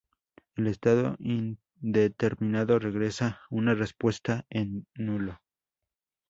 El estado indeterminado regresa una respuesta en nulo.